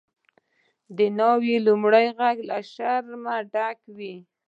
د ناوی لومړی ږغ له شرمه ډک وي.